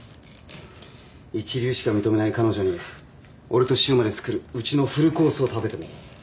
一流しか認めない彼女に俺と柊磨で作るうちのフルコースを食べてもらう。